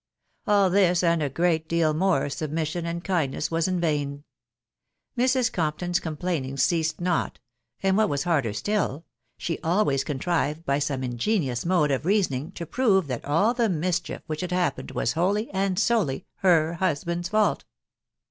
All this, and a great deal more, submission and kindness was in vain ; Mrs. Compton's com plainings ceased not, and, what was harder still, she always contrived by some ingenious mode of reasoning to prove that all the mischief which had happened was wholly and solely her husband's fault.